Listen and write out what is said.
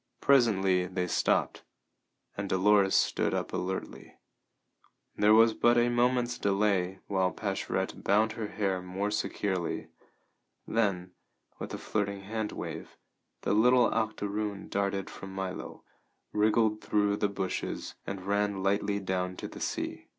Presently they stopped, and Dolores stood up alertly. There was but a moment's delay, while Pascherette bound her hair more securely; then, with a flirting hand wave, the little octoroon darted from Milo, wriggled through the bushes, and ran lightly down to the sea.